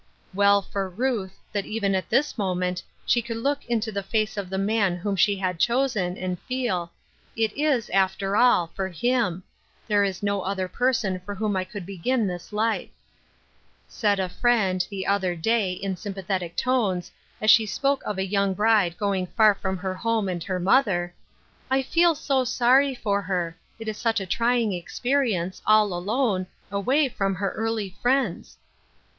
Well for Ruth, that even at this moment, she could look into the face of the man whom she had chosen, and feel :" It is after all, for him. There is no other person for whom I could begin this life." Said a friend, the other day, in sympathetic tones, as she spoke of a young bride going far from her home and her mother :" I feel %o sorry for her. It is such a trying experience, all alone, away from all her early friends."